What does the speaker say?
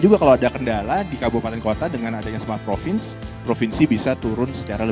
juga kalau ada kendala di kabupaten kota dengan adanya semua provinsi provinsi bisa turun secara